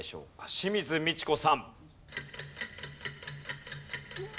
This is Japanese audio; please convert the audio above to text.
清水ミチコさん。